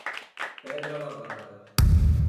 Pedra Lavrada